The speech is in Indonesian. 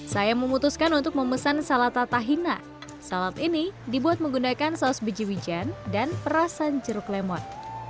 saya memutuskan untuk memesan salata tahina salad ini dibuat menggunakan saus biji wijen dan perasan jeruk lemon